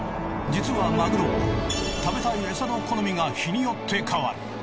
実はマグロは食べたいエサの好みが日によって変わる。